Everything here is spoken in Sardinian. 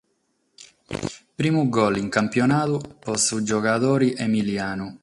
Primu gol in campionadu pro su giogadore emilianu.